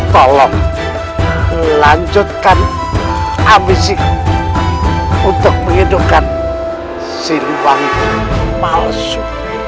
tolong lanjutkan abisiku untuk menghidupkan cilu wangi palsu